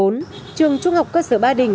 trường trung học cơ sở ba đình